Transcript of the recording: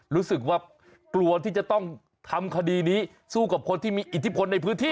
รู้สึกว่ากลัวที่จะต้องทำคดีนี้สู้กับคนที่มีอิทธิพลในพื้นที่